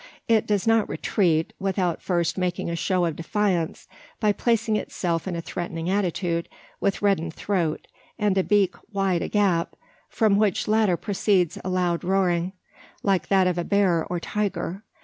It does not retreat, without first making a show of defiance by placing itself in a threatening attitude with reddened throat, and beak wide agape, from which latter proceeds a loud roaring, like that of a bear or tiger.